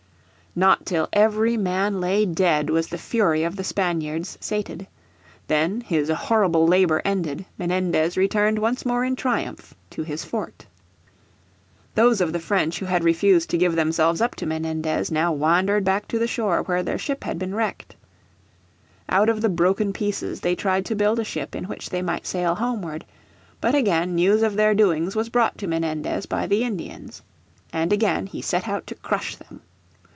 Not till every man lay dead was the fury of the Spaniards sated. Then, his horrible labour ended, Menendez returned once more in triumph to his fort. Those of the French who had refused to give themselves up to Menendez now wandered back to the shore where their ship had been wrecked. Out of the broken pieces they tried to build a ship in which they might sail homeward. But again news of their doings was brought to Menendez by the Indians. And again he set out to crush them.